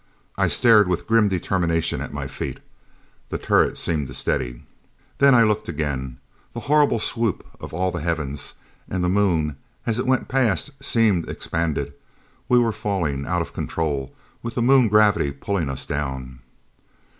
I stared with grim determination at my feet. The turret seemed to steady. Then I looked again. That horrible swoop of all the heavens! And the Moon, as it went past seemed expanded. We were falling! Out of control, with the Moon gravity pulling us down!